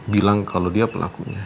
bilang kalau dia pelakunya